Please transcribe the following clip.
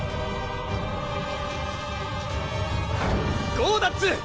ゴーダッツ！